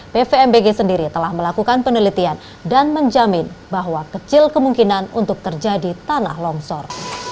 pvmbg sendiri telah melakukan penelitian dan menjamin bahwa kecil kemungkinan untuk terjadi tanah longsor